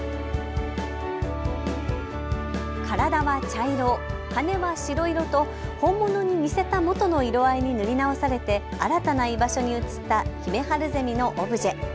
体は茶色、羽は白色と本物に似せた元の色合いに塗り直されて新たな居場所に移ったヒメハルゼミのオブジェ。